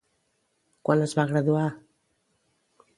Quan es va graduar?